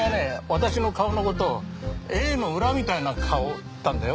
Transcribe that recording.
私の顔のことをエイの裏みたいな顔って言ったんだよ。